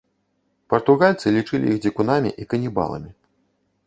Партугальцы лічылі іх дзікунамі і канібаламі.